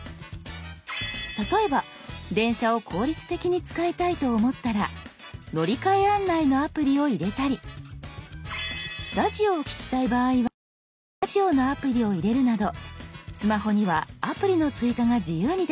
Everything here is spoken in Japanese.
例えば電車を効率的に使いたいと思ったら乗り換え案内のアプリを入れたりラジオを聞きたい場合はラジオのアプリを入れるなどスマホにはアプリの追加が自由にできるんです。